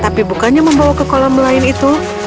tapi bukannya membawa ke kolam lain itu